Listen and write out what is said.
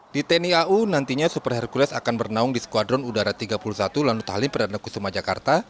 di tni au nantinya super hercules akan bernaung di skuadron udara tiga puluh satu lanut halim perdana kusuma jakarta